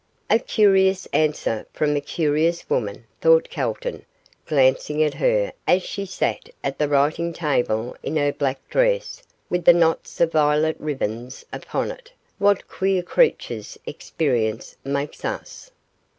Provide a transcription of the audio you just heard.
'A curious answer from a curious woman,' thought Calton, glancing at her as she sat at the writing table in her black dress with the knots of violet ribbons upon it; 'what queer creatures experience makes us.